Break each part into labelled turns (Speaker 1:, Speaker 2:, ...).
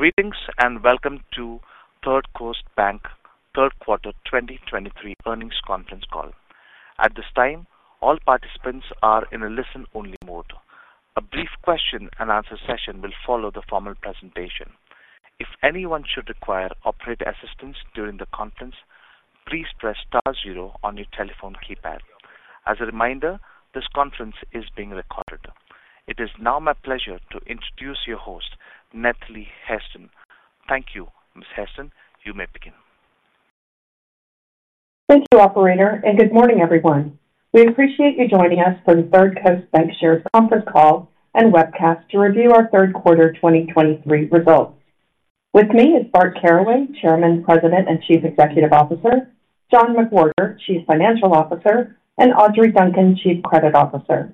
Speaker 1: Greetings, and welcome to Third Coast Bank Q3 2023 earnings conference call. At this time, all participants are in a listen-only mode. A brief question-and-answer session will follow the formal presentation. If anyone should require operator assistance during the conference, please press star zero on your telephone keypad. As a reminder, this conference is being recorded. It is now my pleasure to introduce your host, Natalie Hairston. Thank you, Ms. Hairston. You may begin.
Speaker 2: Thank you, operator, and good morning, everyone. We appreciate you joining us for the Third Coast Bancshares Conference Call and webcast to review our Q3 2023 results. With me is Bart Caraway, Chairman, President, and Chief Executive Officer, John McWhorter, Chief Financial Officer, and Audrey Duncan, Chief Credit Officer.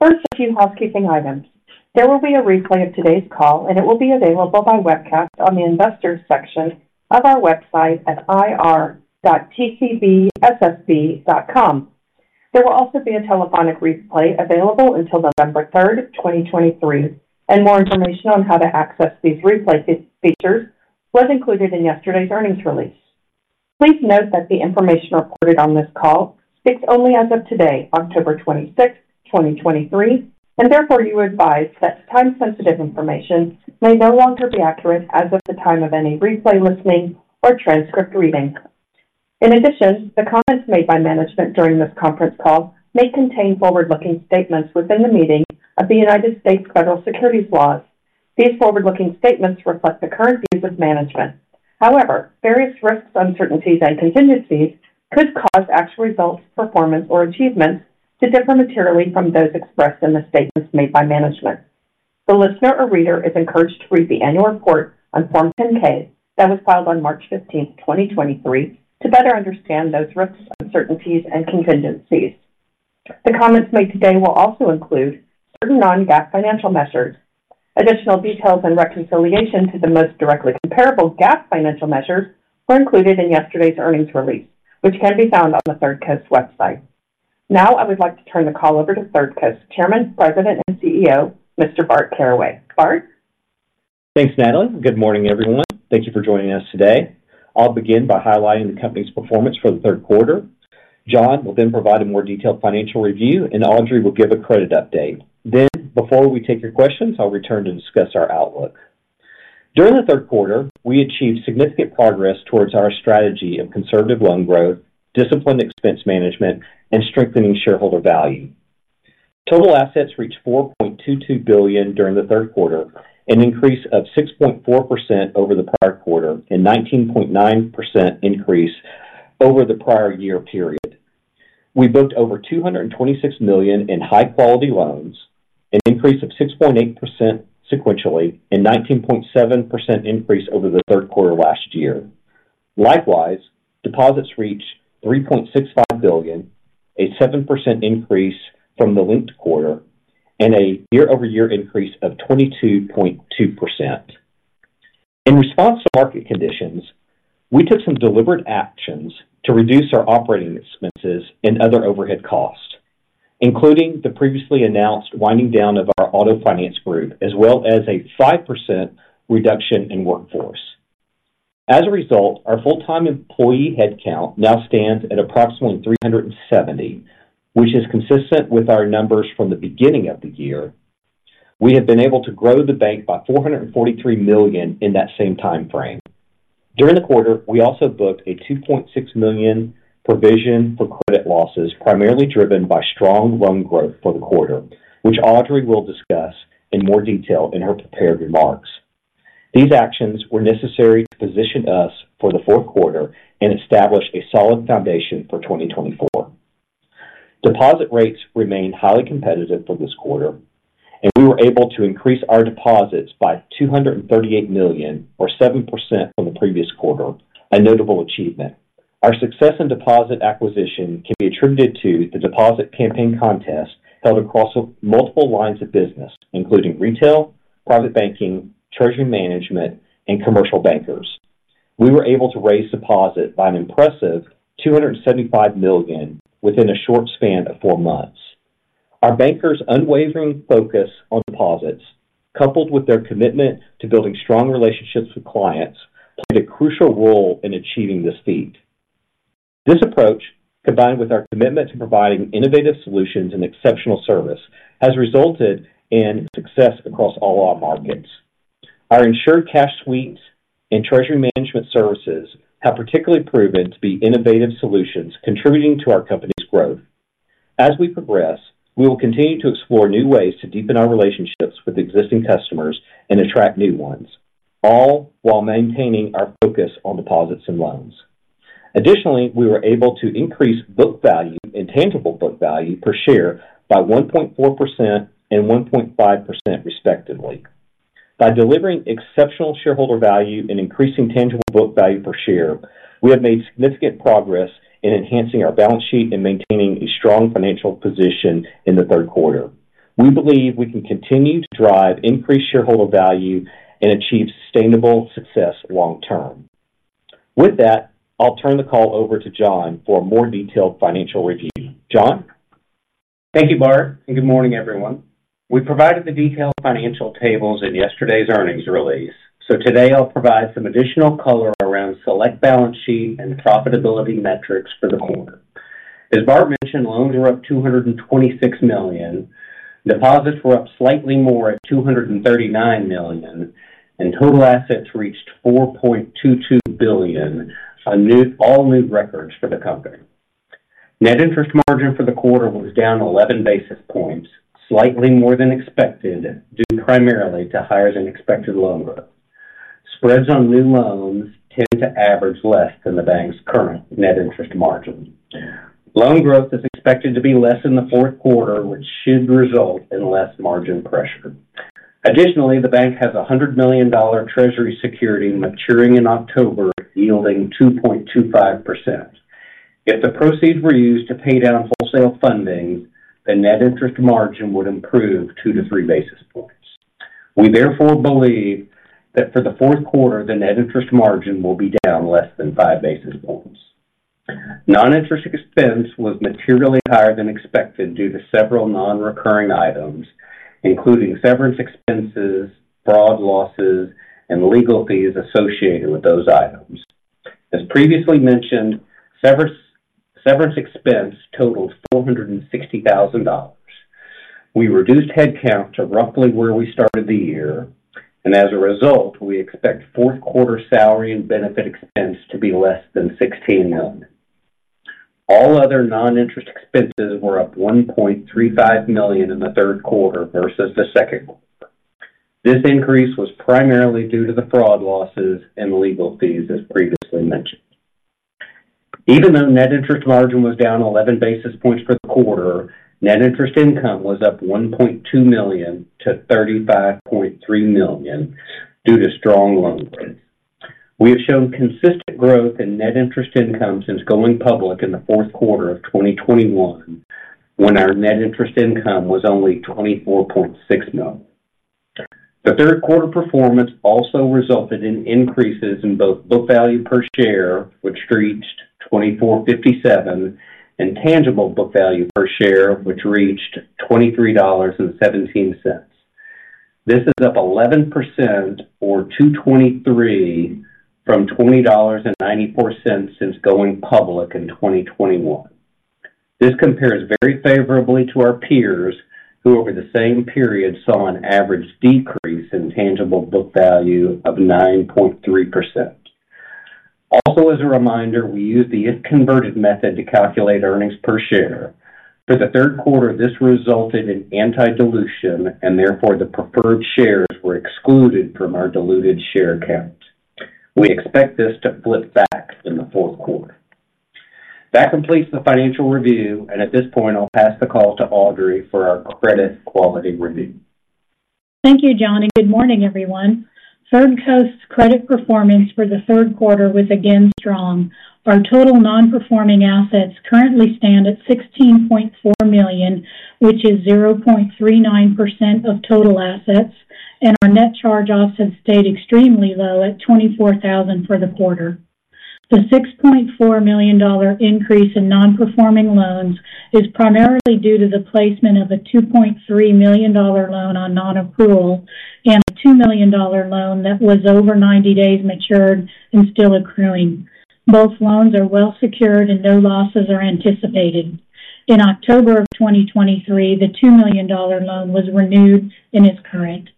Speaker 2: First, a few housekeeping items. There will be a replay of today's call, and it will be available by webcast on the Investors section of our website at ir.tcbssb.com. There will also be a telephonic replay available until November 3, 2023, and more information on how to access these replay features was included in yesterday's earnings release. Please note that the information reported on this call speaks only as of today, October 26, 2023, and therefore you advise that time-sensitive information may no longer be accurate as of the time of any replay, listening, or transcript reading. In addition, the comments made by management during this conference call may contain forward-looking statements within the meaning of the United States federal securities laws. These forward-looking statements reflect the current views of management. However, various risks, uncertainties, and contingencies could cause actual results, performance, or achievements to differ materially from those expressed in the statements made by management. The listener or reader is encouraged to read the annual report on Form 10-K that was filed on March 15, 2023, to better understand those risks, uncertainties and contingencies. The comments made today will also include certain non-GAAP financial measures. Additional details and reconciliation to the most directly comparable GAAP financial measures were included in yesterday's earnings release, which can be found on the Third Coast website. Now, I would like to turn the call over to Third Coast Chairman, President, and CEO, Mr. Bart Caraway. Bart?
Speaker 3: Thanks, Natalie. Good morning, everyone. Thank you for joining us today. I'll begin by highlighting the company's performance for Q3. John will then provide a more detailed financial review, and Audrey will give a credit update. Then, before we take your questions, I'll return to discuss our outlook. During Q3, we achieved significant progress towards our strategy of conservative loan growth, disciplined expense management, and strengthening shareholder value. Total assets reached $4.22 billion during Q3, an increase of 6.4% over the prior quarter and 19.9% increase over the prior year period. We booked over $226 million in high-quality loans, an increase of 6.8% sequentially and 19.7% increase over Q3 last year. Likewise, deposits reached $3.65 billion, a 7% increase from the linked quarter and a year-over-year increase of 22.2%. In response to market conditions, we took some deliberate actions to reduce our operating expenses and other overhead costs, including the previously announced winding down of our auto finance group, as well as a 5% reduction in workforce. As a result, our full-time employee headcount now stands at approximately 370, which is consistent with our numbers from the beginning of the year. We have been able to grow the bank by $443 million in that same time frame. During the quarter, we also booked a $2.6 million provision for credit losses, primarily driven by strong loan growth for the quarter, which Audrey will discuss in more detail in her prepared remarks. These actions were necessary to position us for Q4 and establish a solid foundation for 2024. Deposit rates remained highly competitive for this quarter, and we were able to increase our deposits by $238 million or 7% from the previous quarter, a notable achievement. Our success in deposit acquisition can be attributed to the deposit campaign contest held across a multiple lines of business, including retail, private banking, treasury management, and commercial bankers. We were able to raise deposit by an impressive $275 million within a short span of four months. Our bankers' unwavering focus on deposits, coupled with their commitment to building strong relationships with clients, played a crucial role in achieving this feat. This approach, combined with our commitment to providing innovative solutions and exceptional service, has resulted in success across all our markets. Our Insured Cash Sweeps and treasury management services have particularly proven to be innovative solutions contributing to our company's growth. As we progress, we will continue to explore new ways to deepen our relationships with existing customers and attract new ones, all while maintaining our focus on deposits and loans. Additionally, we were able to increase book value and tangible book value per share by 1.4% and 1.5%, respectively. By delivering exceptional shareholder value and increasing tangible book value per share, we have made significant progress in enhancing our balance sheet and maintaining a strong financial position in Q3. We believe we can continue to drive increased shareholder value and achieve sustainable success long term. With that, I'll turn the call over to John for a more detailed financial review. John?
Speaker 4: Thank you, Bart, and good morning, everyone. We provided the detailed financial tables in yesterday's earnings release, so today I'll provide some additional color around select balance sheet and profitability metrics for the quarter. As Bart mentioned, loans were up $226 million, deposits were up slightly more at $239 million, and total assets reached $4.22 billion, all new records for the company. Net interest margin for the quarter was down 11 basis points, slightly more than expected, due primarily to higher than expected loan growth. Spreads on new loans tend to average less than the bank's current net interest margin. Loan growth is expected to be less in Q4, which should result in less margin pressure. Additionally, the bank has a $100 million treasury security maturing in October, yielding 2.25%. If the proceeds were used to pay down wholesale funding, the net interest margin would improve 2 basis points-3 basis points. We therefore believe that for Q4, the net interest margin will be down less than 5 basis points. Non-interest expense was materially higher than expected due to several non-recurring items, including severance expenses, fraud losses, and legal fees associated with those items. As previously mentioned, severance expense totaled $460,000. We reduced headcount to roughly where we started the year, and as a result, we expect Q4 salary and benefit expense to be less than $16 million. All other non-interest expenses were up $1.35 million in Q3 versus Q2. This increase was primarily due to the fraud losses and legal fees, as previously mentioned. Even though net interest margin was down 11 basis points for the quarter, net interest income was up $1.2 million to $35.3 million due to strong loan growth. We have shown consistent growth in net interest income since going public in Q4 of 2021, when our net interest income was only $24.6 million. Q3 performance also resulted in increases in both book value per share, which reached $24.57, and tangible book value per share, which reached $23.17. This is up 11% or $2.23 from $20.94 since going public in 2021. This compares very favorably to our peers, who, over the same period, saw an average decrease in tangible book value of 9.3%. Also, as a reminder, we use the if-converted method to calculate earnings per share. For Q3, this resulted in anti-dilution, and therefore the preferred shares were excluded from our diluted share count. We expect this to flip back in Q4. That completes the financial review, and at this point, I'll pass the call to Audrey for our credit quality review.
Speaker 5: Thank you, John, and good morning, everyone. Third Coast's credit performance for Q3 was again strong. Our total non-performing assets currently stand at $16.4 million, which is 0.39% of total assets, and our net charge-offs have stayed extremely low at $24,000 for the quarter. The $6.4 million increase in non-performing loans is primarily due to the placement of a $2.3 million loan on non-accrual and a $2 million loan that was over 90 days matured and still accruing. Both loans are well secured and no losses are anticipated. In October 2023, the $2 million loan was renewed and is current.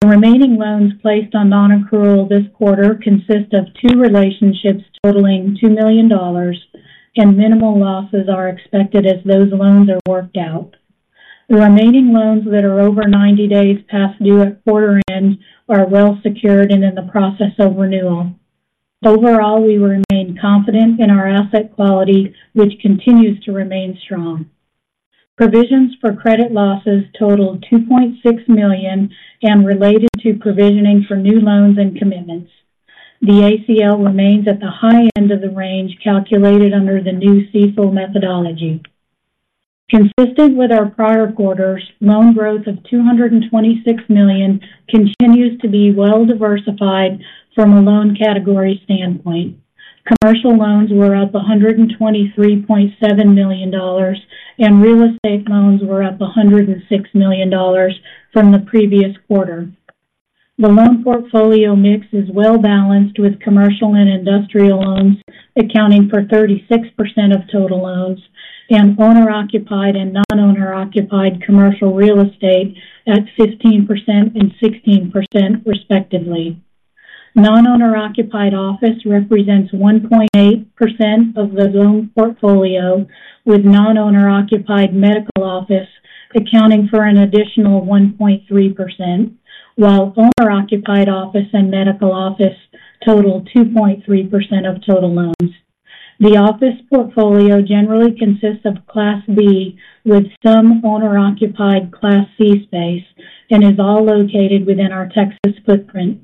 Speaker 5: The remaining loans placed on non-accrual this quarter consist of two relationships totaling $2 million, and minimal losses are expected as those loans are worked out. The remaining loans that are over 90 days past due at quarter-end are well secured and in the process of renewal. Overall, we remain confident in our asset quality, which continues to remain strong. Provisions for credit losses totaled $2.6 million and related to provisioning for new loans and commitments. The ACL remains at the high end of the range calculated under the new CECL methodology. Consistent with our prior quarters, loan growth of $226 million continues to be well diversified from a loan category standpoint. Commercial loans were up $123.7 million, and real estate loans were up $106 million from the previous quarter. The loan portfolio mix is well balanced, with commercial and industrial loans accounting for 36% of total loans, and owner-occupied and non-owner occupied commercial real estate at 15% and 16%, respectively. Non-owner occupied office represents 1.8% of the loan portfolio, with non-owner occupied medical office accounting for an additional 1.3%, while owner-occupied office and medical office total 2.3% of total loans. The office portfolio generally consists of Class B, with some owner-occupied Class C space and is all located within our Texas footprint.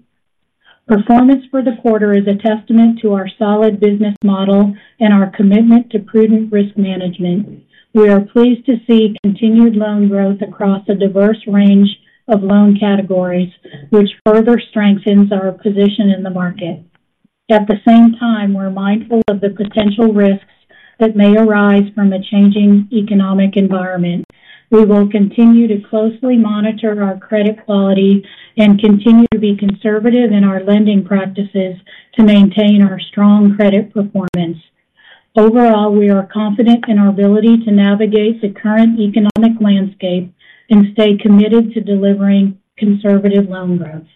Speaker 5: Performance for the quarter is a testament to our solid business model and our commitment to prudent risk management. We are pleased to see continued loan growth across a diverse range of loan categories, which further strengthens our position in the market. At the same time, we're mindful of the potential risks that may arise from a changing economic environment. We will continue to closely monitor our credit quality and continue to be conservative in our lending practices to maintain our strong credit performance. Overall, we are confident in our ability to navigate the current economic landscape and stay committed to delivering conservative loan growth.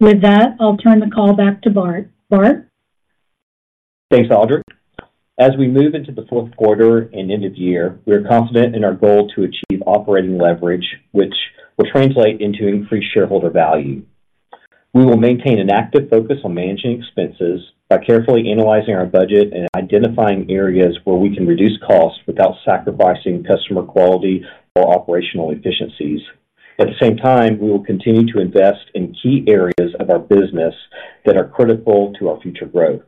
Speaker 5: With that, I'll turn the call back to Bart. Bart?
Speaker 4: Thanks, Audrey. As we move into Q4 and end of year, we are confident in our goal to achieve operating leverage, which will translate into increased shareholder value. We will maintain an active focus on managing expenses by carefully analyzing our budget and identifying areas where we can reduce costs without sacrificing customer quality or operational efficiencies. At the same time, we will continue to invest in key areas of our business that are critical to our future growth.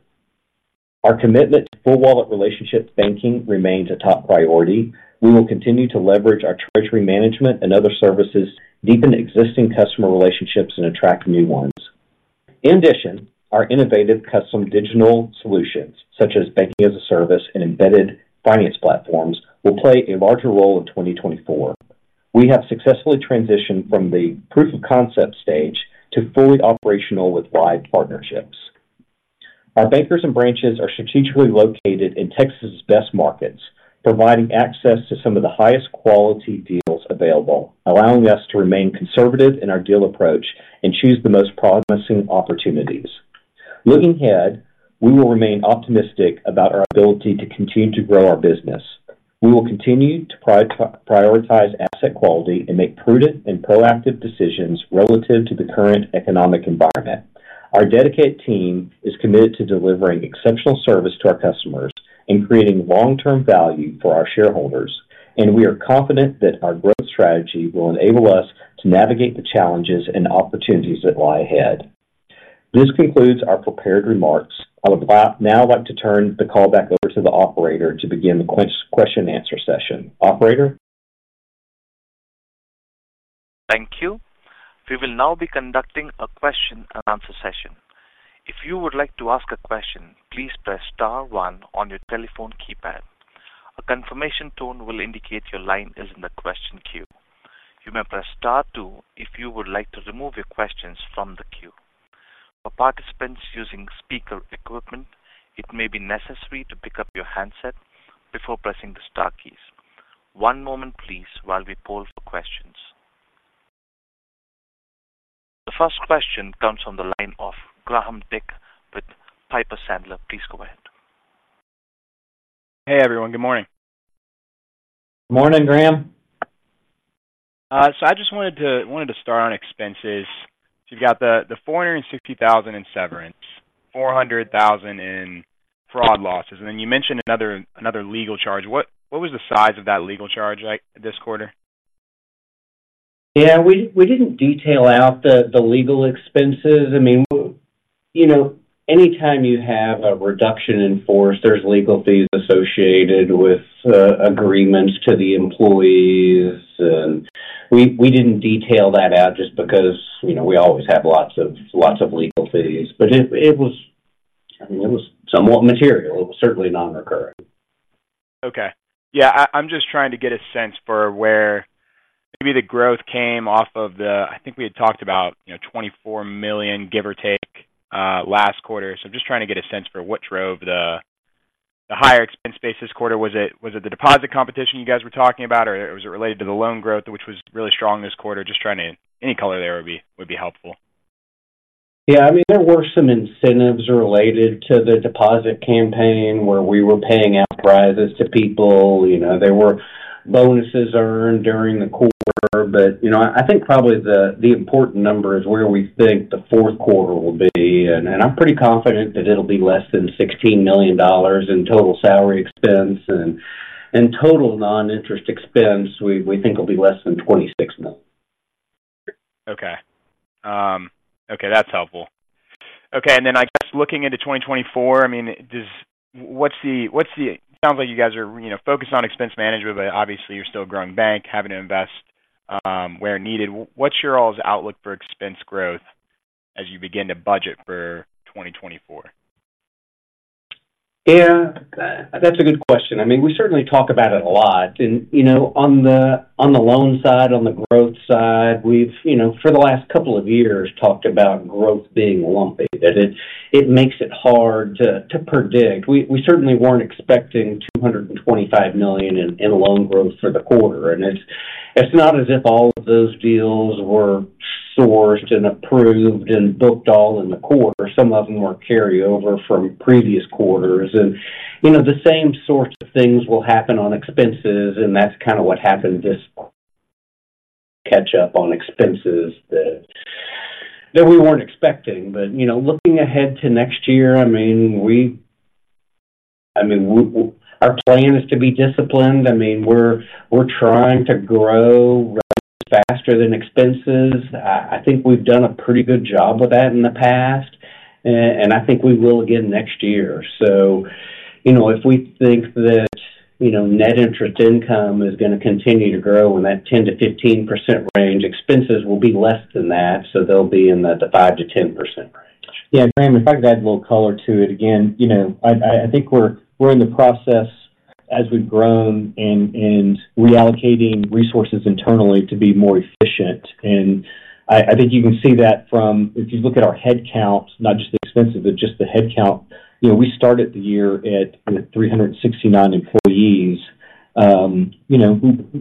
Speaker 4: Our commitment to full wallet relationship banking remains a top priority. We will continue to leverage our treasury management and other services, deepen existing customer relationships, and attract new ones. In addition, our innovative custom digital solutions, such as Banking-as-a-Service and embedded finance platforms, will play a larger role in 2024. We have successfully transitioned from the proof of concept stage to fully operational with wide partnerships. Our bankers and branches are strategically located in Texas's best markets, providing access to some of the highest quality deals available, allowing us to remain conservative in our deal approach and choose the most promising opportunities. Looking ahead, we will remain optimistic about our ability to continue to grow our business. We will continue to prioritize asset quality and make prudent and proactive decisions relative to the current economic environment. Our dedicated team is committed to delivering exceptional service to our customers and creating long-term value for our shareholders, and we are confident that our growth strategy will enable us to navigate the challenges and opportunities that lie ahead. This concludes our prepared remarks. I would now like to turn the call back over to the operator to begin the question and answer session. Operator?
Speaker 1: Thank you. We will now be conducting a question and answer session. If you would like to ask a question, please press star one on your telephone keypad. A confirmation tone will indicate your line is in the question queue. You may press star two if you would like to remove your questions from the queue. For participants using speaker equipment, it may be necessary to pick up your handset before pressing the star keys. One moment, please, while we poll for questions. The first question comes on the line of Graham Dick with Piper Sandler. Please go ahead.
Speaker 6: Hey, everyone. Good morning.
Speaker 4: Morning, Graham.
Speaker 6: So I just wanted to start on expenses. You've got the $460,000 in severance, $400,000 in fraud losses, and then you mentioned another legal charge. What was the size of that legal charge, like, this quarter?
Speaker 4: Yeah, we didn't detail out the legal expenses. I mean, you know, anytime you have a reduction in force, there's legal fees associated with agreements to the employees, and we didn't detail that out just because, you know, we always have lots of legal fees. But it was, I mean, it was somewhat material. It was certainly non-recurring.
Speaker 6: Okay. Yeah, I, I'm just trying to get a sense for where maybe the growth came off of the- I think we had talked about, you know, $24 million, give or take, last quarter. So I'm just trying to get a sense for what drove the, the higher expense base this quarter. Was it, was it the deposit competition you guys were talking about, or was it related to the loan growth, which was really strong this quarter? Just trying to—any color there would be, would be helpful.
Speaker 4: Yeah, I mean, there were some incentives related to the deposit campaign where we were paying out prizes to people. You know, there were bonuses earned during the quarter. But, you know, I think probably the important number is where we think Q4 will be, and I'm pretty confident that it'll be less than $16 million in total salary expense and total non-interest expense, we think will be less than $26 million.
Speaker 6: Okay. Okay, that's helpful. Okay, and then I guess looking into 2024, I mean, does- What's the, what's the- Sounds like you guys are, you know, focused on expense management, but obviously you're still a growing bank, having to invest where needed. What's your all's outlook for expense growth as you begin to budget for 2024?
Speaker 4: Yeah, that's a good question. I mean, we certainly talk about it a lot. And, you know, on the loan side, on the growth side, we've, you know, for the last couple of years, talked about growth being lumpy, that it makes it hard to predict. We certainly weren't expecting $225 million in loan growth for the quarter. And it's not as if all of those deals were sourced and approved and booked all in the quarter. Some of them were carryover from previous quarters. And, you know, the same sorts of things will happen on expenses, and that's kind of what happened, this catch up on expenses that we weren't expecting. But, you know, looking ahead to next year, I mean, we – I mean, our plan is to be disciplined. I mean, we're trying to grow faster than expenses. I think we've done a pretty good job with that in the past, and I think we will again next year. So, you know, if we think that, you know, net interest income is going to continue to grow in that 10%-15% range. Expenses will be less than that, so they'll be in the 5%-10% range.
Speaker 3: Yeah, Graham, if I could add a little color to it. Again, you know, I think we're in the process as we've grown and reallocating resources internally to be more efficient. And I think you can see that from, if you look at our headcount, not just the expenses, but just the headcount, you know, we started the year at 369 employees. You know,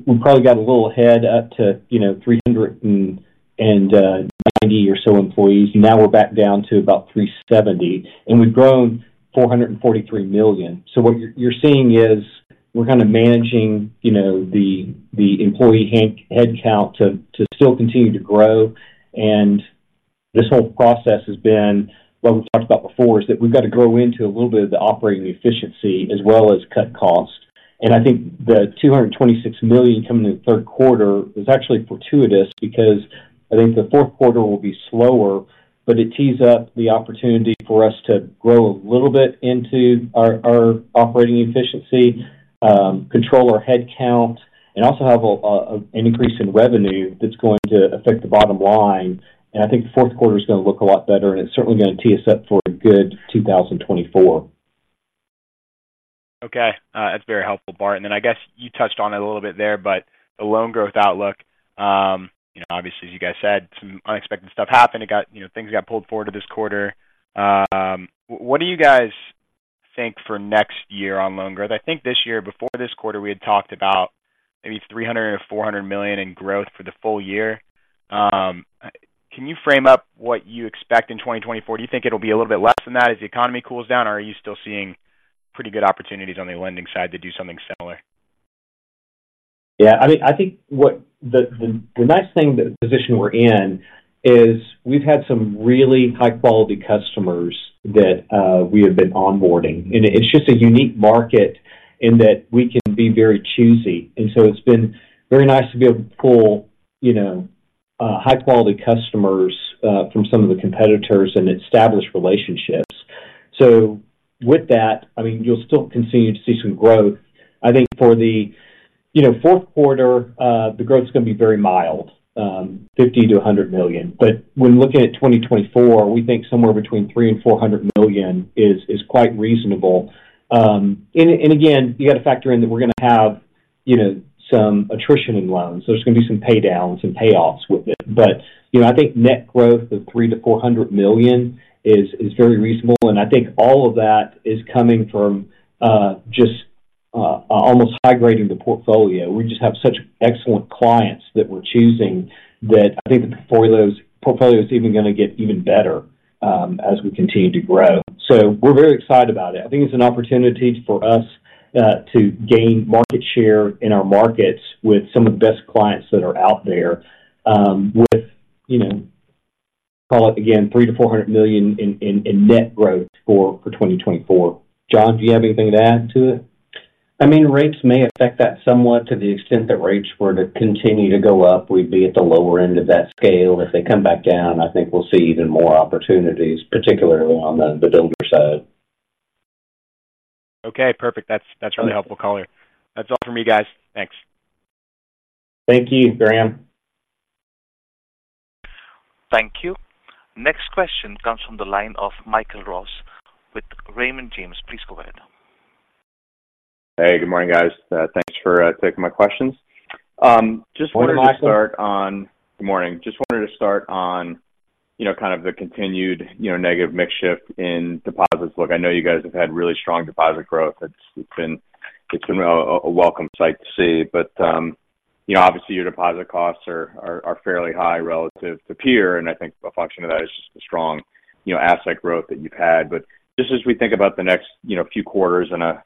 Speaker 3: we probably got a little ahead, up to, you know, 390 or so employees. Now we're back down to about 370, and we've grown $443 million. So what you're seeing is we're kind of managing, you know, the employee headcount to still continue to grow. This whole process has been, what we've talked about before, is that we've got to grow into a little bit of the operating efficiency as well as cut costs. I think the $226 million coming in Q3 is actually fortuitous because I think Q4 will be slower, but it tees up the opportunity for us to grow a little bit into our, our operating efficiency, control our headcount, and also have a, an increase in revenue that's going to affect the bottom line. I think Q4 is going to look a lot better, and it's certainly going to tee us up for a good 2024.
Speaker 6: Okay, that's very helpful, Bart. And then I guess you touched on it a little bit there, but the loan growth outlook, you know, obviously, as you guys said, some unexpected stuff happened. It got, you know, things got pulled forward to this quarter. What do you guys think for next year on loan growth? I think this year, before this quarter, we had talked about maybe $300 million or $400 million in growth for the full year. Can you frame up what you expect in 2024? Do you think it'll be a little bit less than that as the economy cools down, or are you still seeing pretty good opportunities on the lending side to do something similar?
Speaker 3: Yeah, I mean, I think the nice thing, the position we're in, is we've had some really high-quality customers that we have been onboarding. And it's just a unique market in that we can be very choosy. And so it's been very nice to be able to pull, you know, high-quality customers from some of the competitors and establish relationships. So with that, I mean, you'll still continue to see some growth. I think for the, you know, Q4, the growth is going to be very mild, $50 million-$100 million. But when looking at 2024, we think somewhere between $300 million and $400 million is quite reasonable. And again, you got to factor in that we're going to have, you know, some attrition in loans. There's going to be some pay downs and payoffs with it. But, you know, I think net growth of $300 million-$400 million is very reasonable, and I think all of that is coming from just almost high grading the portfolio. We just have such excellent clients that we're choosing that I think the portfolio is even going to get even better as we continue to grow. So we're very excited about it. I think it's an opportunity for us to gain market share in our markets with some of the best clients that are out there, with, you know, call it again, $300 million-$400 million in net growth for 2024. John, do you have anything to add to it?
Speaker 4: I mean, rates may affect that somewhat. To the extent that rates were to continue to go up, we'd be at the lower end of that scale. If they come back down, I think we'll see even more opportunities, particularly on the builder side.
Speaker 6: Okay, perfect. That's, that's really helpful color. That's all for me, guys. Thanks.
Speaker 3: Thank you, Graham.
Speaker 1: Thank you. Next question comes from the line of Michael Rose with Raymond James. Please go ahead.
Speaker 7: Hey, good morning, guys. Thanks for taking my questions. Just-
Speaker 3: Morning, Michael.
Speaker 7: Good morning. Just wanted to start on, you know, kind of the continued, you know, negative mix shift in deposits. Look, I know you guys have had really strong deposit growth. It's been a welcome sight to see. But, you know, obviously, your deposit costs are fairly high relative to peer, and I think a function of that is just the strong, you know, asset growth that you've had. But just as we think about the next, you know, few quarters in a,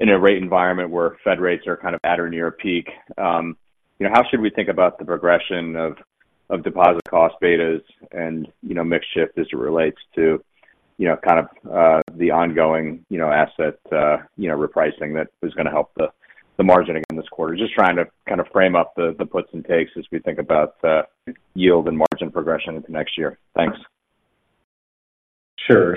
Speaker 7: in a rate environment where Fed rates are kind of at or near a peak, you know, how should we think about the progression of, of deposit cost betas and, you know, mix shift as it relates to, you know, kind of, the ongoing, you know, asset, you know, repricing that is going to help the, the margin again this quarter? Just trying to kind of frame up the, the puts and takes as we think about, yield and margin progression into next year. Thanks.
Speaker 4: Sure.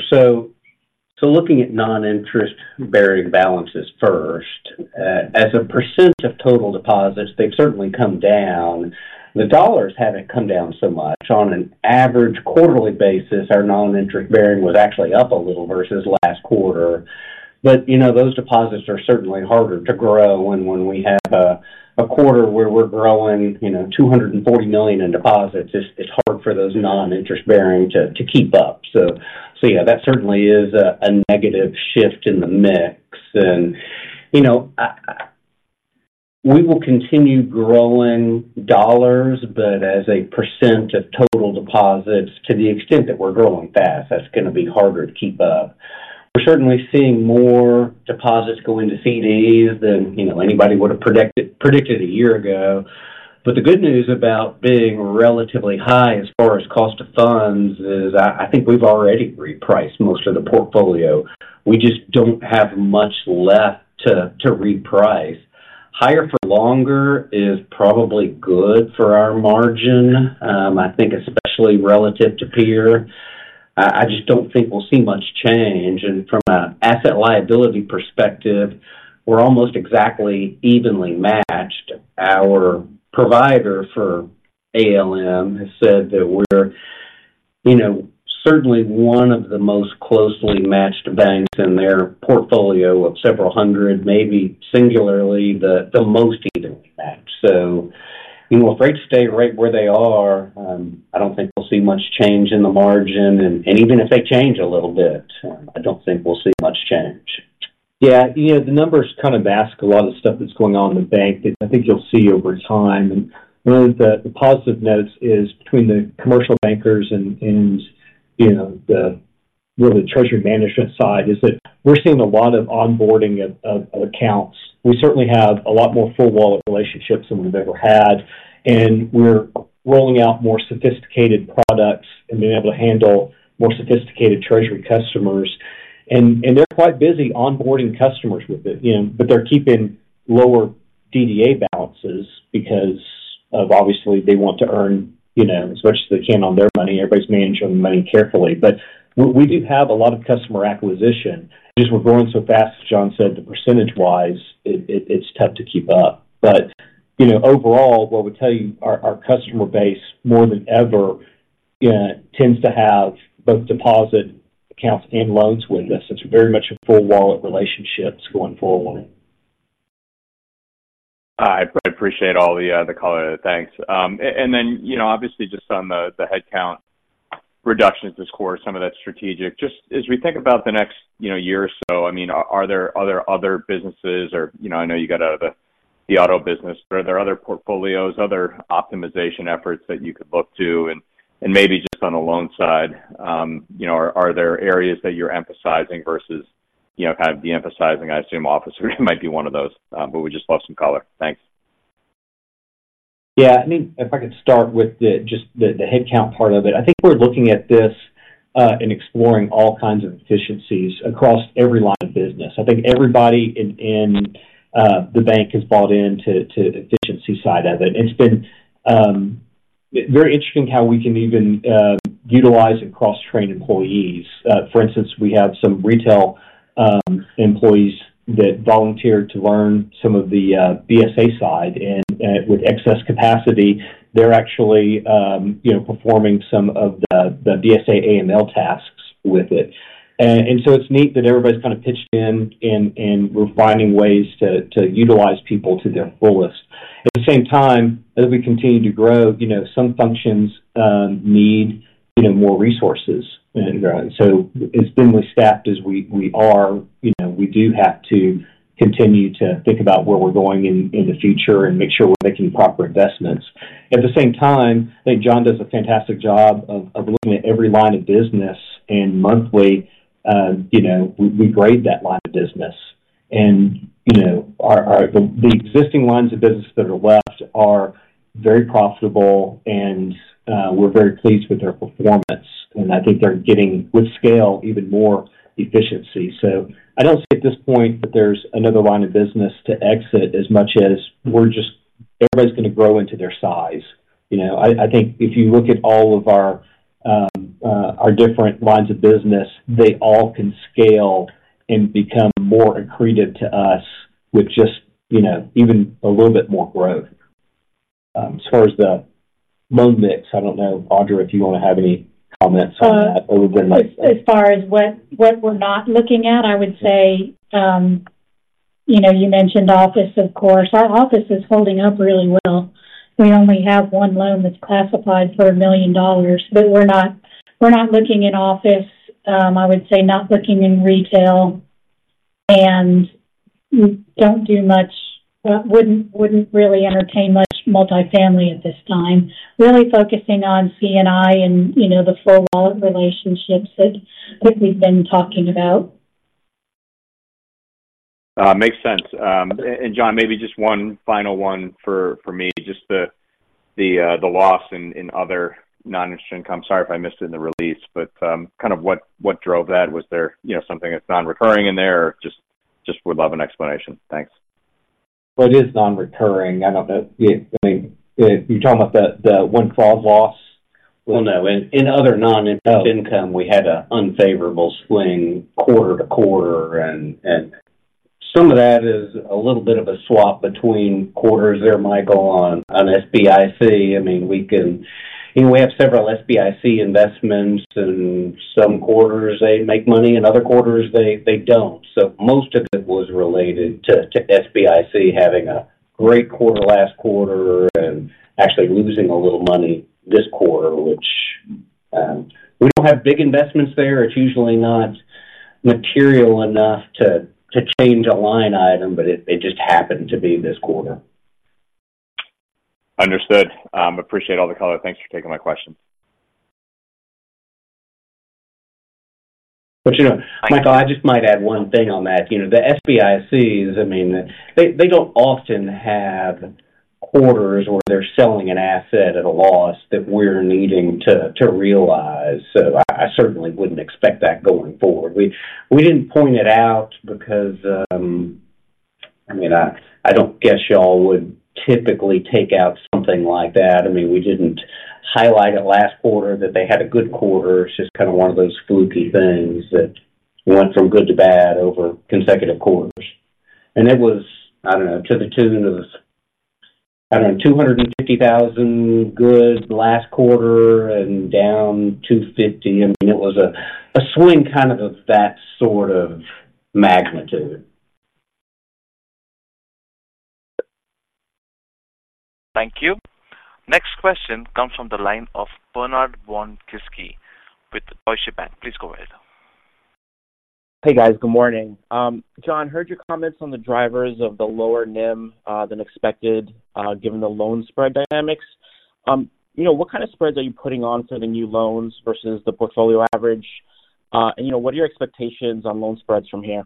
Speaker 4: Looking at non-interest-bearing balances first, as a percent of total deposits, they've certainly come down. The dollars haven't come down so much. On an average quarterly basis, our non-interest-bearing was actually up a little versus last quarter. But, you know, those deposits are certainly harder to grow when we have a quarter where we're growing $240 million in deposits, it's hard for those non-interest-bearing to keep up. Yeah, that certainly is a negative shift in the mix. You know, we will continue growing dollars, but as a percent of total deposits, to the extent that we're growing fast, that's going to be harder to keep up. We're certainly seeing more deposits go into CDs than anybody would have predicted a year ago. But the good news about being relatively high as far as cost of funds is I think we've already repriced most of the portfolio. We just don't have much left to reprice. Higher for longer is probably good for our margin, I think especially relative to peers. I just don't think we'll see much change. And from an asset liability perspective, we're almost exactly evenly matched. Our provider for ALM has said that we're, you know, certainly one of the most closely matched banks in their portfolio of several hundred, maybe singularly the most evenly matched. So, you know, if rates stay right where they are, I don't think we'll see much change in the margin. And even if they change a little bit, I don't think we'll see much change.
Speaker 3: Yeah, you know, the numbers kind of mask a lot of the stuff that's going on in the bank, and I think you'll see over time. One of the positive notes is between the commercial bankers and, you know, the treasury management side, is that we're seeing a lot of onboarding of accounts. We certainly have a lot more full wallet relationships than we've ever had, and we're rolling out more sophisticated products and being able to handle more sophisticated treasury customers. And they're quite busy onboarding customers with it, you know, but they're keeping lower DDA balances because, obviously, they want to earn, you know, as much as they can on their money. Everybody's managing their money carefully. But we do have a lot of customer acquisition. Just, we're growing so fast, as John said, the percentage-wise, it's tough to keep up. But, you know, overall, what I would tell you, our customer base, more than ever, tends to have both deposit accounts and loans with us. It's very much a full wallet relationships going forward.
Speaker 7: I appreciate all the, the color. Thanks. And then, you know, obviously, just on the headcount reductions, of course, some of that's strategic. Just as we think about the next, you know, year or so, I mean, are there other businesses or. You know, I know you got out of the auto business, are there other portfolios, other optimization efforts that you could look to? And maybe just on the loan side, you know, are there areas that you're emphasizing versus, you know, kind of de-emphasizing? I assume office might be one of those, but we'd just love some color. Thanks.
Speaker 3: Yeah. I mean, if I could start with just the headcount part of it. I think we're looking at this and exploring all kinds of efficiencies across every line of business. I think everybody in the bank has bought into the efficiency side of it. It's been very interesting how we can even utilize and cross-train employees. For instance, we have some retail employees that volunteered to learn some of the BSA side, and with excess capacity, they're actually, you know, performing some of the BSA/AML tasks with it. So it's neat that everybody's kind of pitched in, and we're finding ways to utilize people to their fullest. At the same time, as we continue to grow, you know, some functions need, you know, more resources. So as thinly staffed as we are, you know, we do have to continue to think about where we're going in the future and make sure we're making proper investments. At the same time, I think John does a fantastic job of looking at every line of business, and monthly, you know, we grade that line of business. You know, our existing lines of business that are left are very profitable, and we're very pleased with their performance, and I think they're getting, with scale, even more efficiency. So I don't see at this point that there's another line of business to exit as much as we're just everybody's gonna grow into their size, you know? I think if you look at all of our different lines of business, they all can scale and become more accretive to us with just, you know, even a little bit more growth. As far as the loan mix, I don't know, Audrey, if you want to have any comments on that, or we might-
Speaker 4: As far as what we're not looking at, I would say, you know, you mentioned office, of course. Our office is holding up really well. We only have one loan that's classified for $1 million, but we're not looking at office. I would say not looking in retail, and we don't do much, wouldn't really entertain much multifamily at this time. Really focusing on C&I and, you know, the full wallet relationships that we've been talking about.
Speaker 7: Makes sense. And John, maybe just one final one for me, just the loss in other non-interest income. Sorry if I missed it in the release, but kind of what drove that? Was there, you know, something that's non-recurring in there, or just would love an explanation. Thanks.
Speaker 4: Well, it is non-recurring. I don't know if, I mean, you're talking about the one full loss?
Speaker 3: Well, no. In other non-interest income-
Speaker 4: Oh
Speaker 3: -we had an unfavorable swing quarter-to-quarter, and some of that is a little bit of a swap between quarters there, Michael, on SBIC. I mean, we can-- you know, we have several SBIC investments, and some quarters they make money, and other quarters they don't. So most of it was related to SBIC having a great quarter last quarter and actually losing a little money this quarter, which, we don't have big investments there. It's usually not material enough to change a line item, but it just happened to be this quarter.
Speaker 7: Understood. Appreciate all the color. Thanks for taking my questions.
Speaker 4: But, you know, Michael, I just might add one thing on that. You know, the SBICs, I mean, they don't often have quarters where they're selling an asset at a loss that we're needing to realize, so I certainly wouldn't expect that going forward. We didn't point it out because... I mean, I don't guess y'all would typically take out something like that. I mean, we didn't highlight it last quarter that they had a good quarter. It's just kind of one of those fluky things that went from good to bad over consecutive quarters. And it was, I don't know, to the tune of, I don't know, $250,000 good last quarter and down $250,000. I mean, it was a swing kind of of that sort of magnitude.
Speaker 1: Thank you. Next question comes from the line of Bernard Von Gizycki with Deutsche Bank. Please go ahead.
Speaker 8: Hey, guys. Good morning. John, heard your comments on the drivers of the lower NIM than expected, given the loan spread dynamics. You know, what kind of spreads are you putting on to the new loans versus the portfolio average? And, you know, what are your expectations on loan spreads from here?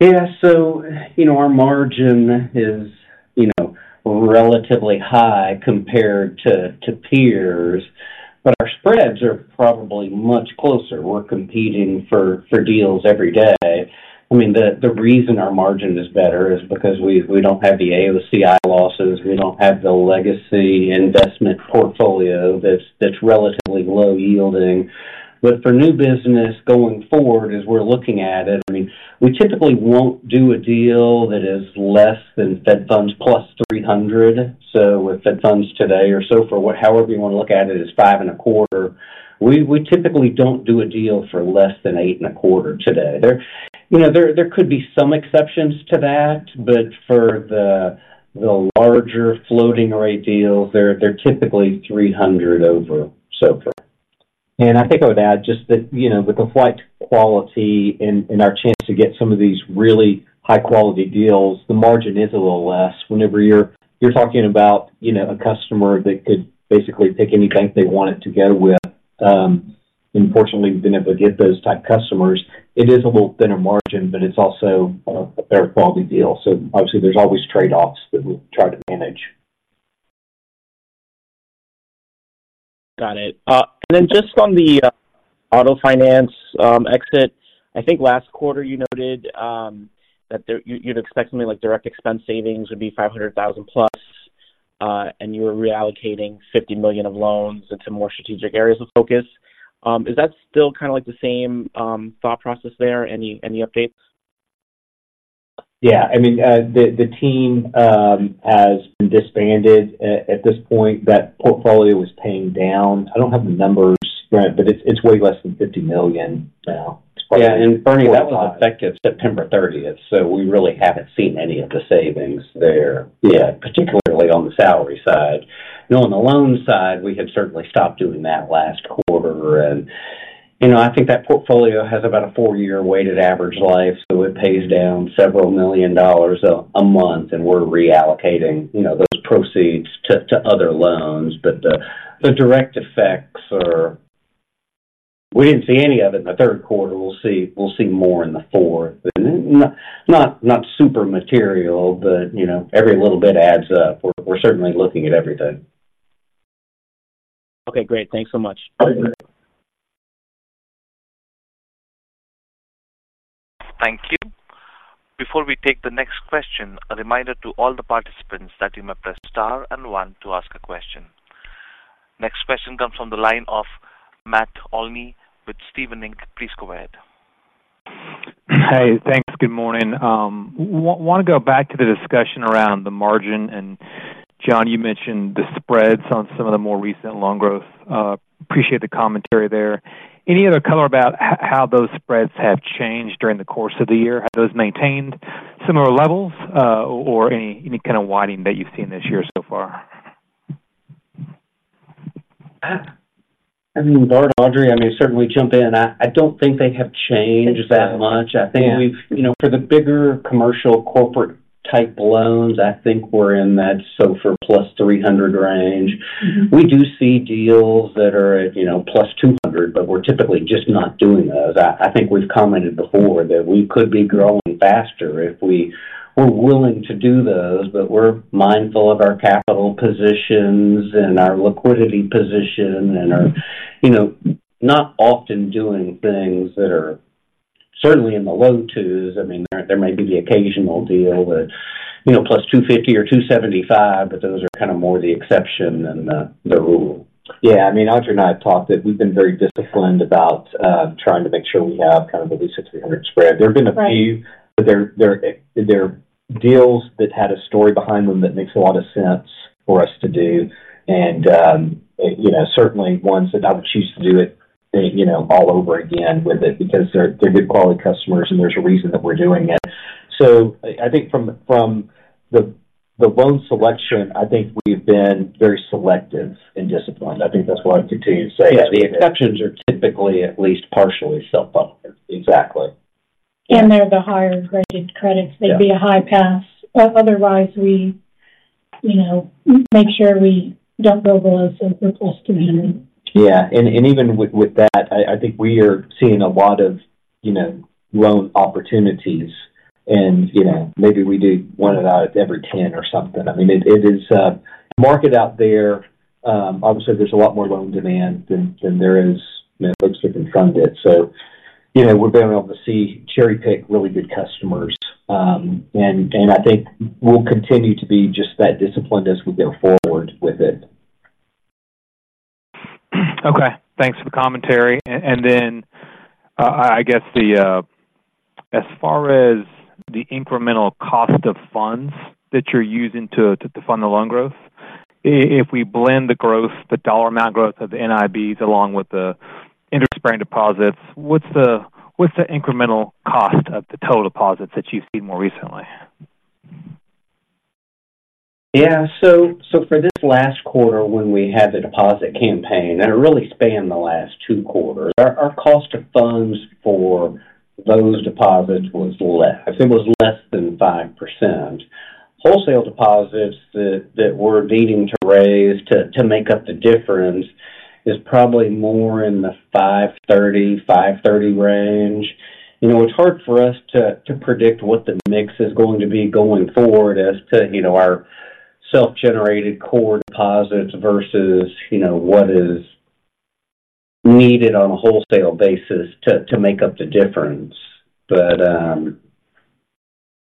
Speaker 4: Yeah, so, you know, our margin is, you know, relatively high compared to peers, but our spreads are probably much closer. We're competing for deals every day. I mean, the reason our margin is better is because we don't have the AOCI losses, we don't have the legacy investment portfolio that's relatively low yielding. But for new business going forward, as we're looking at it, I mean, we typically won't do a deal that is less than Fed funds plus 300. So with Fed funds today or SOFR what—however you want to look at it, is 5.25. We typically don't do a deal for less than 8.25 today. There—you know, there could be some exceptions to that, but for the larger floating rate deals, they're typically 300 over SOFR.
Speaker 3: And I think I would add just that, you know, with the flight quality and our chance to get some of these really high quality deals, the margin is a little less. Whenever you're talking about, you know, a customer that could basically pick any bank they wanted to go with, and fortunately, we've been able to get those type customers. It is a little thinner margin, but it's also a better quality deal. So obviously, there's always trade-offs that we try to manage.
Speaker 8: Got it. And then just on the auto finance exit, I think last quarter you noted that there—you'd expect something like direct expense savings would be $500,000 plus, and you were reallocating $50 million of loans into more strategic areas of focus. Is that still kind of like the same thought process there? Any updates?
Speaker 3: Yeah. I mean, the team has been disbanded. At this point, that portfolio is paying down. I don't have the numbers, right, but it's way less than $50 million now.
Speaker 4: Yeah, and Bernie, that was effective September thirtieth, so we really haven't seen any of the savings there.
Speaker 3: Yeah.
Speaker 4: Particularly on the salary side. You know, on the loan side, we have certainly stopped doing that last quarter. And, you know, I think that portfolio has about a four-year weighted average life, so it pays down $several million a month, and we're reallocating, you know, those proceeds to other loans. But the direct effects are... We didn't see any of it in Q3. We'll see more in the fourth. Not super material, but, you know, every little bit adds up. We're certainly looking at everything.
Speaker 8: Okay, great. Thanks so much.
Speaker 1: Thank you. Before we take the next question, a reminder to all the participants that you may press Star and One to ask a question. Next question comes from the line of Matt Olney with Stephens Inc. Please go ahead.
Speaker 9: Hey, thanks. Good morning. Want to go back to the discussion around the margin, and John, you mentioned the spreads on some of the more recent loan growth. Appreciate the commentary there. Any other color about how those spreads have changed during the course of the year? Have those maintained similar levels, or any kind of widening that you've seen this year so far?
Speaker 4: I mean, Bart, Audrey, I mean, certainly jump in. I, I don't think they have changed that much. I think we've, you know, for the bigger commercial corporate type loans, I think we're in that SOFR + 300 range. We do see deals that are at, you know, +200, but we're typically just not doing those. I, I think we've commented before that we could be growing faster if we were willing to do those, but we're mindful of our capital positions and our liquidity position and are, you know, not often doing things that are certainly in the low 2s. I mean, there, there may be the occasional deal that, you know, +250 or 275, but those are kind of more the exception than the, the rule.
Speaker 3: Yeah, I mean, Audrey and I have talked that we've been very disciplined about trying to make sure we have kind of at least a 300 spread.
Speaker 5: Right.
Speaker 3: There have been a few, but they're deals that had a story behind them that makes a lot of sense for us to do. And, you know, certainly ones that I would choose to do it, you know, all over again with it, because they're good quality customers, and there's a reason that we're doing it. So I think from the loan selection, I think we've been very selective and disciplined. I think that's what I'd continue to say.
Speaker 4: Yeah, the exceptions are typically at least partially self-funded.
Speaker 3: Exactly.
Speaker 5: They're the higher graded credits.
Speaker 3: Yeah.
Speaker 5: They'd be a high pass. Otherwise, we, you know, make sure we don't go below so +300.
Speaker 3: Yeah, and even with that, I think we are seeing a lot of, you know, loan opportunities and, you know, maybe we do one out of every ten or something. I mean, it is market out there, obviously, there's a lot more loan demand than there is folks to fund it. So, you know, we're being able to see cherry-pick really good customers. And I think we'll continue to be just that disciplined as we go forward with it.
Speaker 9: Okay, thanks for the commentary. And then, I guess as far as the incremental cost of funds that you're using to fund the loan growth, if we blend the growth, the dollar amount growth of the NIBs, along with the interest-bearing deposits, what's the incremental cost of the total deposits that you've seen more recently?
Speaker 4: Yeah. For this last quarter, when we had the deposit campaign, and it really spanned the last two quarters, our cost of funds for those deposits was less. It was less than 5%. Wholesale deposits that we're needing to raise to make up the difference is probably more in the 5.30%-5.30% range. You know, it's hard for us to predict what the mix is going to be going forward as to, you know, our self-generated core deposits versus, you know, what is needed on a wholesale basis to make up the difference.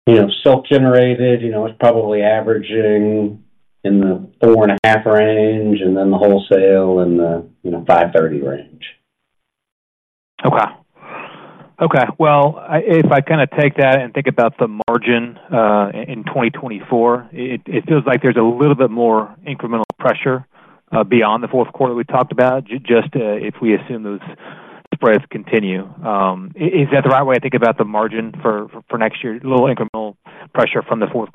Speaker 4: You know, self-generated, you know, it's probably averaging in the 4.5% range, and then the wholesale in the 5.30% range.
Speaker 9: Okay. Okay. Well, if I kinda take that and think about the margin, in 2024, it feels like there's a little bit more incremental pressure beyond Q4 we talked about, just if we assume those spreads continue. Is that the right way to think about the margin for next year? Little incremental pressure from Q4?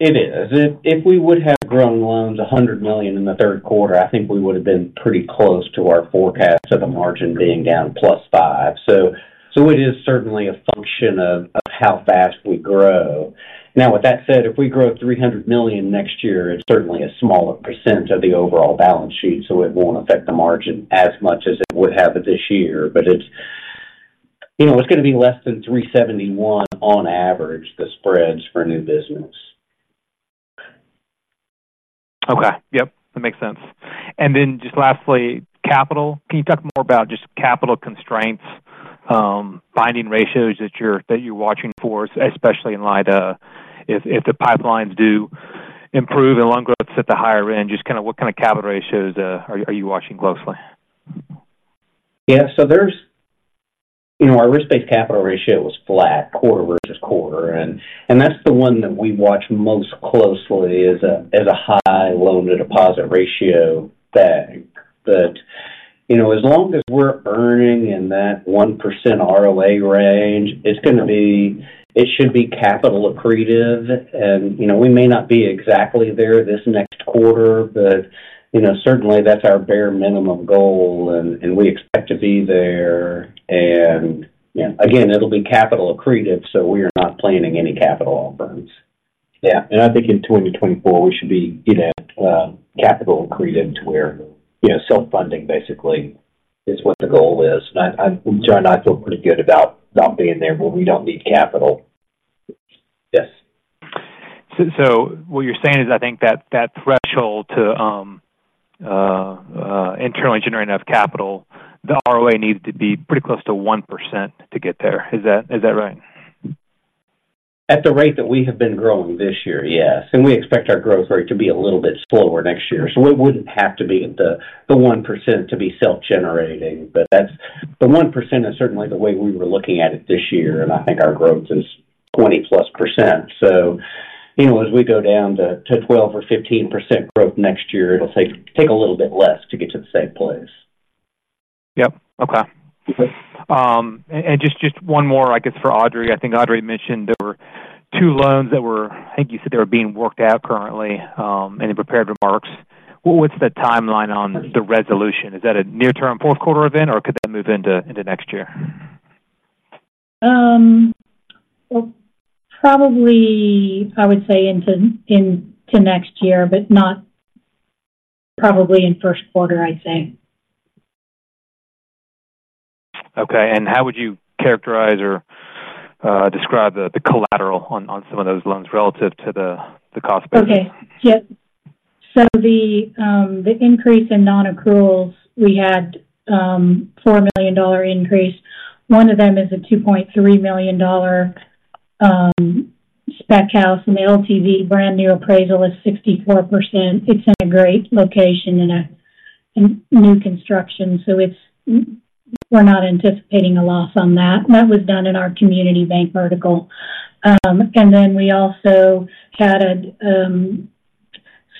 Speaker 4: It is. If we would have grown loans $100 million in Q3, I think we would've been pretty close to our forecast of the margin being down plus 5. It is certainly a function of how fast we grow. Now, with that said, if we grow $300 million next year, it's certainly a smaller percent of the overall balance sheet, so it won't affect the margin as much as it would have this year. But it's, you know, it's gonna be less than 3.71 on average, the spreads for new business.
Speaker 9: Okay. Yep, that makes sense. And then just lastly, capital. Can you talk more about just capital constraints, finding ratios that you're watching for, especially in light of if the pipelines do improve and loan growth's at the higher end, just kinda what kind of capital ratios are you watching closely?
Speaker 4: Yeah. So there's- You know, our risk-based capital ratio was flat quarter-over-quarter, and that's the one that we watch most closely as a high loan-to-deposit ratio bank. But, you know, as long as we're earning in that 1% ROA range, it's gonna be, it should be capital accretive. And, you know, we may not be exactly there this next quarter, but, you know, certainly that's our bare minimum goal, and we expect to be there. And, you know, again, it'll be capital accretive, so we are not planning any capital offerings.
Speaker 3: Yeah, and I think in 2024, we should be, you know, capital accretive to where, you know, self-funding basically is what the goal is. And I, John, feel pretty good about being there where we don't need capital.
Speaker 4: Yes.
Speaker 9: So what you're saying is, I think, that threshold to internally generating enough capital, the ROA needs to be pretty close to 1% to get there. Is that right?
Speaker 4: At the rate that we have been growing this year, yes, and we expect our growth rate to be a little bit slower next year. So it wouldn't have to be the one percent to be self-generating, but that's the one percent is certainly the way we were looking at it this year, and I think our growth is 20%+. So, you know, as we go down to 12%-15% growth next year, it'll take a little bit less to get to the same place.
Speaker 9: Yep. Okay.
Speaker 4: Okay.
Speaker 9: And just one more, I guess, for Audrey. I think Audrey mentioned there were two loans that were—I think you said they were being worked out currently in the prepared remarks. What's the timeline on the resolution? Is that a near-term Q4 event, or could that move into next year?
Speaker 5: Well, probably I would say into next year, but not—probably in Q1, I'd say.
Speaker 9: Okay. And how would you characterize or describe the collateral on some of those loans relative to the cost basis?
Speaker 5: Okay. Yeah. So the increase in non-accruals, we had a $4 million increase. One of them is a $2.3 million spec house, and the LTV brand new appraisal is 64%. It's in a great location in new construction, so we're not anticipating a loss on that. That was done in our community bank vertical. And then we also had a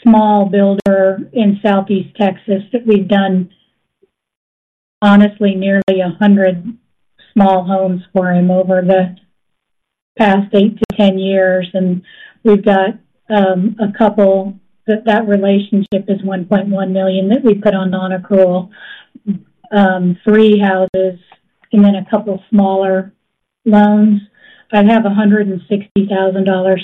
Speaker 5: small builder in Southeast Texas that we've done, honestly, nearly 100 small homes for him over the past 8-10 years, and we've got a couple. But that relationship is $1.1 million that we put on non-accrual, three houses and then a couple of smaller loans. I have a $160,000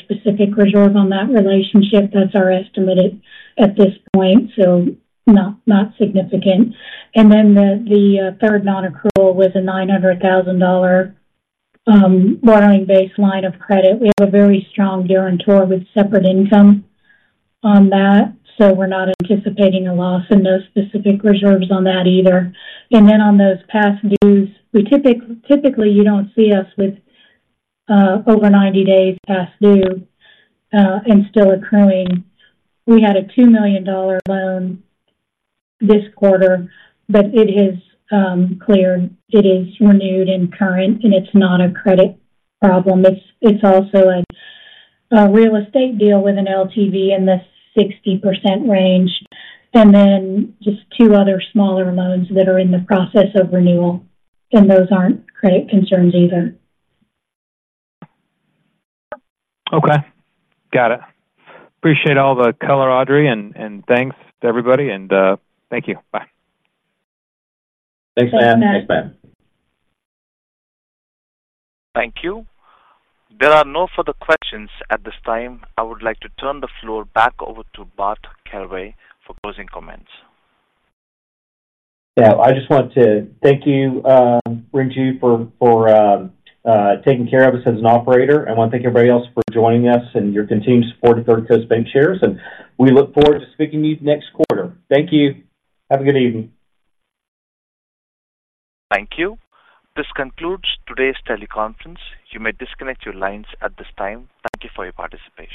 Speaker 5: specific reserve on that relationship. That's our estimated at this point, so not, not significant. And then the third non-accrual was a $900,000 borrowing base line of credit. We have a very strong guarantor with separate income on that, so we're not anticipating a loss in those specific reserves on that either. And then on those past dues, we typically, you don't see us with over 90 days past due and still accruing. We had a $2 million loan this quarter, but it is clear. It is renewed and current, and it's not a credit problem. It's also a real estate deal with an LTV in the 60% range, and then just two other smaller loans that are in the process of renewal, and those aren't credit concerns either.
Speaker 9: Okay. Got it. Appreciate all the color, Audrey, and thanks to everybody, and thank you. Bye.
Speaker 4: Thanks, Ben. Thanks, Ben.
Speaker 5: Thanks, Ben.
Speaker 1: Thank you. There are no further questions at this time. I would like to turn the floor back over to Bart Caraway for closing comments.
Speaker 3: Yeah, I just want to thank you, Ringu, for taking care of us as an operator. I want to thank everybody else for joining us and your continued support of Third Coast Bancshares, and we look forward to speaking to you next quarter. Thank you. Have a good evening.
Speaker 1: Thank you. This concludes today's teleconference. You may disconnect your lines at this time. Thank you for your participation.